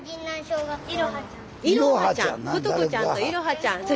いろはちゃん。